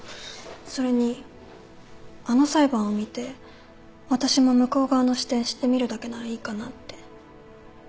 それにあの裁判を見て私も向こう側の視点知ってみるだけならいいかなって